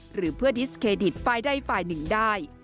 หรือเพื่อดิสเครดิตฝ่ายใดฝ่ายหนึ่งได้